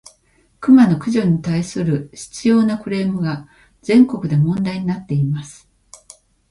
クマの駆除に対する執拗（しつよう）なクレームが、全国で問題になっています。